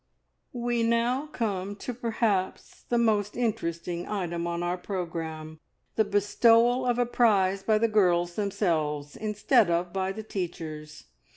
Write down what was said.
"We now come to perhaps the most interesting item on our programme the bestowal of a prize by the girls themselves, instead of by the teachers.